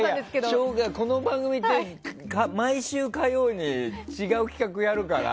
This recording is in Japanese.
いやいやこの番組って毎週火曜に違う企画やるから。